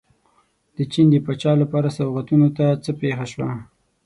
د چین د پاچا لپاره سوغاتونو ته څه پېښه شوه.